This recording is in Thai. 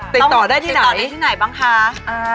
ติดต่อได้ที่ไหนบ้างคะ